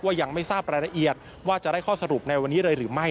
ยังไม่ทราบรายละเอียดว่าจะได้ข้อสรุปในวันนี้เลยหรือไม่